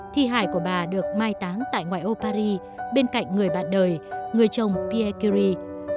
thi hải của bà được mai táng tại ngoại ô paris bên cạnh người bạn đời người chồng pierre curie